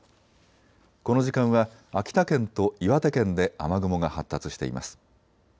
この時間は秋田県と岩手県で雨雲が発達しています。